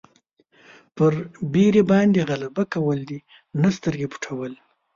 پر بېرې باندې غلبه کول دي نه سترګې پټول.